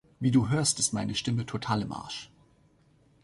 Wie du hörst, ist meine Stimme total im Arsch.